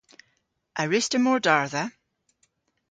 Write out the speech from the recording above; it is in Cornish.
A wruss'ta mordardha?